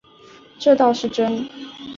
这倒是真